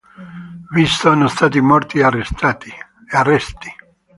Vi sono stati morti e arresti.